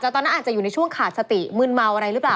แต่ตอนนั้นอาจจะอยู่ในช่วงขาดสติมืนเมาอะไรหรือเปล่า